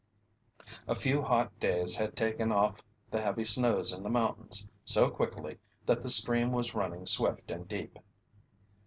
A few hot days had taken off the heavy snows in the mountains so quickly that the stream was running swift and deep.